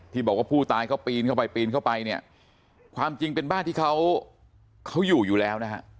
ที่บอกว่าผู้ตายเขาปีนเข้าไปปีนเข้าไปเนี่ยความจริงเป็นบ้านที่เขาอยู่อยู่แล้วนะฮะ